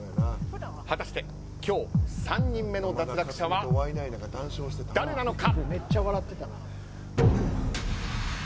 果たして、今日３人目の脱落者は誰なのか！